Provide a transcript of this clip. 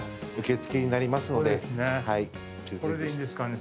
これでいいんですかね？